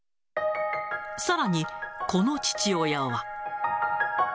さらに、この父親は。